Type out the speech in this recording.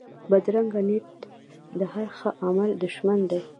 بدرنګه نیت د هر ښه عمل دشمن دی